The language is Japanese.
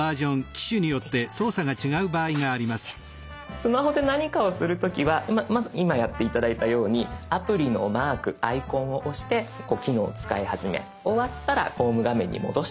スマホで何かをする時は今やって頂いたようにアプリのマークアイコンを押して機能を使い始め終わったらホーム画面に戻してくる。